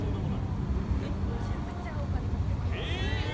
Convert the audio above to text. めっちゃくちゃお金かけてます。